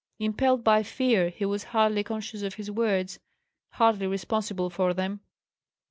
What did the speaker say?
Impelled by fear, he was hardly conscious of his words; hardly responsible for them.